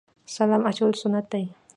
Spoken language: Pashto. سلام اچول سنت دي